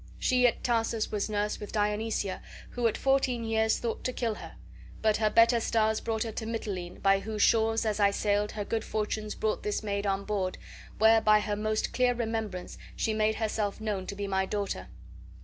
She at Tarsus was nursed with Dionysia, who at fourteen years thought to kill her, but her better stars brought her to Mitylene, by whose shores as I sailed her good fortunes brought this maid on board, where by her most clear remembrance she made herself known to be my daughter."